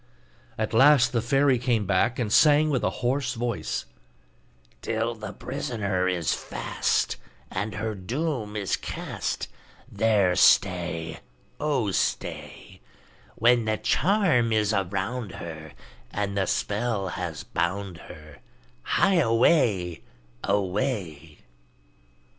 At last the fairy came back and sang with a hoarse voice: 'Till the prisoner is fast, And her doom is cast, There stay! Oh, stay! When the charm is around her, And the spell has bound her, Hie away! away!